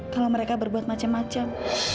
kalau mereka berbuat macam macam